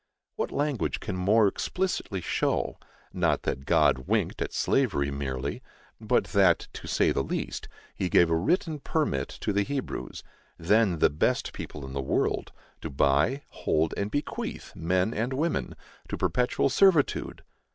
What language can more explicitly show, not that God winked at slavery merely, but that, to say the least, he gave a written permit to the Hebrews, then the best people in the world, to buy, hold and bequeath, men and women, to perpetual servitude!